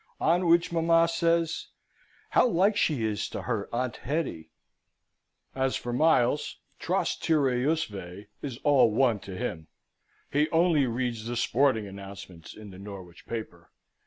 On which mamma says, "How like she is to her Aunt Hetty!" As for Miles, Tros Tyriusve is all one to him. He only reads the sporting announcements in the Norwich paper.